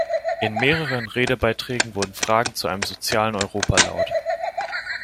In mehreren Redebeiträgen wurden Fragen zu einem sozialen Europa laut.